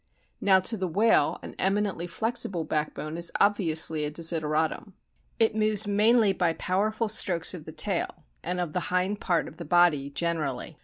Now to the whale an eminently flexible backbone is obviously a desideratum. It moves mainly by powerful strokes of the tail and of the hind part of the body generally.